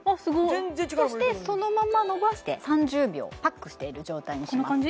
全然力も入れてへんそしてそのままのばして３０秒パックしている状態にしますね